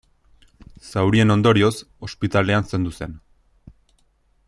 Zaurien ondorioz, ospitalean zendu zen.